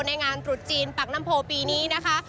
ในงานตรุษจีนปักน้ำโพปีนี้นะคะ